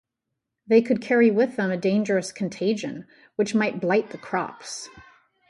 They could carry with them a dangerous contagion which might blight the crops.